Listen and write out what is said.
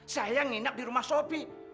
saya nginap di rumah sopi